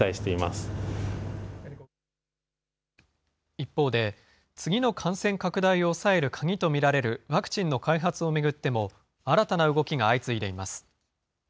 一方で、次の感染拡大を抑える鍵と見られるワクチンの開発を巡っても、新たな動きが相次いでいます。